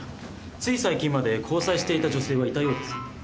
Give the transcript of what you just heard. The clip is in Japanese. つい最近まで交際していた女性はいたようです。